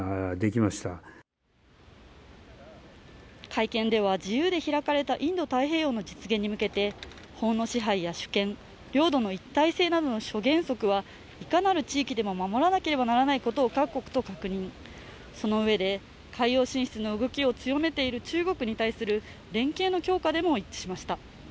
会見では、自由で開かれたインド太平洋の実現に向けて法の支配や主権、領土の一体性などの諸原則はいかなる地域でも守らなければならないことを各国と確認、そのうえで、海洋進出の動きを強めている中国に対する連携の強化でも一致しました。